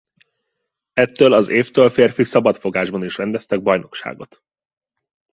Ettől az évtől férfi szabadfogásban is rendeztek bajnokságot.